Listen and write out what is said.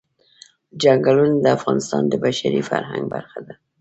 چنګلونه د افغانستان د بشري فرهنګ برخه ده.